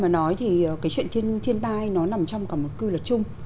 nói thì cái chuyện thiên tai nó nằm trong cả một cư luật chung